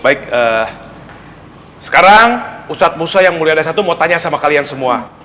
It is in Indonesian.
baik sekarang ustadz musa yang mulia dari satu mau tanya sama kalian semua